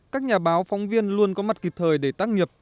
các nhà báo phóng viên luôn có mặt kịp thời để tác nghiệp